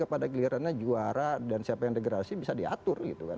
dan pilihannya juara dan siapa yang degrasi bisa diatur gitu kan